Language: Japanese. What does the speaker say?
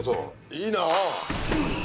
いいなあ。